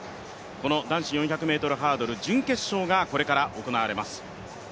この男子４００ｍハードル準決勝がこれから行われます。